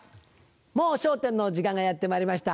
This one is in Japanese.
『もう笑点』の時間がやってまいりました。